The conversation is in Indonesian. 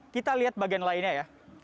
kita lihat bagian lainnya ya